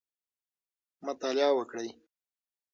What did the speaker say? مطالعه وکړئ.